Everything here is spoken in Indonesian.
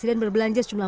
ini saya sudah